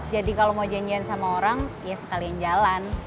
jadi kalau mau janjian sama orang ya sekalian jalan